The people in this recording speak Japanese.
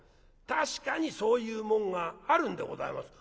確かにそういう紋があるんでございます」。